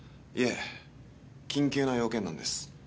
いえ緊急な用件なんです。